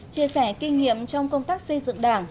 chia sẻ kinh nghiệm trong công tác xây dựng đảng